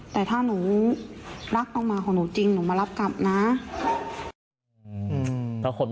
แต่ถ้าหนูรักน้องหมาของหนูจริงหนูมารับกลับนะ